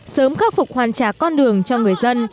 sớm khắc phục hoàn trả con đường cho người dân